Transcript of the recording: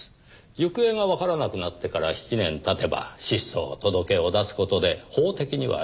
行方がわからなくなってから７年経てば失踪届を出す事で法的には死亡扱いです。